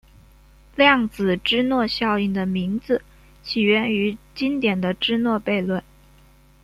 量子芝诺效应的名字起源于经典的芝诺悖论。